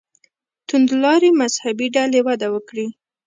توندلارې مذهبي ډلې وده وکړي.